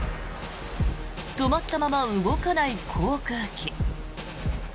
止まったまま動かない航空機。